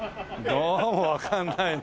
どうもわかんないなあ。